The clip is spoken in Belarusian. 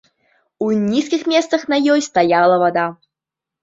У нізкіх месцах на ёй стаяла вада.